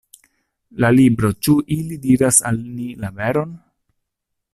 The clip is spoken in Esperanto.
La libro Ĉu ili diras al ni la veron?